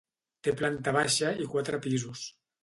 Té planta baixa i quatre pisos.